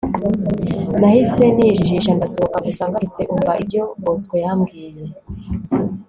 nahise nijijisha ndasohoka gusa ngarutse umva ibyo bosco yambwiye